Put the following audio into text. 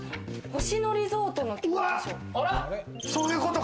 『星野リゾートの教科書』。